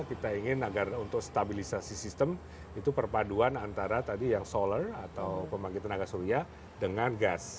kita ingin agar untuk stabilisasi sistem itu perpaduan antara tadi yang solar atau pembangkit tenaga surya dengan gas